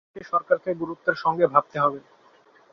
বিষয়টি সরকারকে গুরুত্বের সঙ্গে ভাবতে হবে।